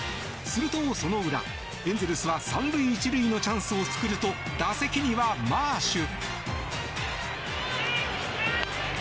するとその裏、エンゼルスは３塁１塁のチャンスを作ると打席にはマーシュ。